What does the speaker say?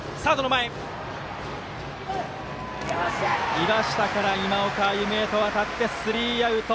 岩下から今岡へとわたってスリーアウト。